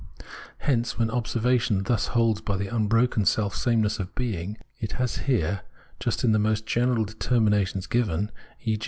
Hence, when observation thus holds by the unbroken self sameness of being, it has here, just in the most general determinations given — e.g.